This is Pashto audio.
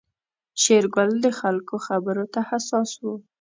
شېرګل د خلکو خبرو ته حساس و.